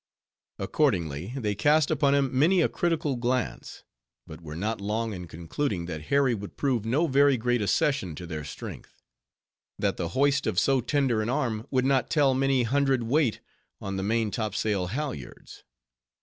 Accordingly, they cast upon him many a critical glance; but were not long in concluding that Harry would prove no very great accession to their strength; that the hoist of so tender an arm would not tell many hundred weight on the maintop sail halyards.